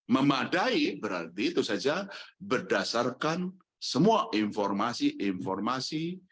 memadai berarti itu saja berdasarkan semua informasi informasi